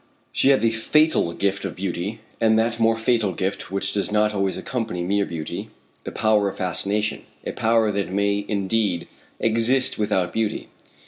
She had the fatal gift of beauty, and that more fatal gift which does not always accompany mere beauty, the power of fascination, a power that may, indeed, exist without beauty.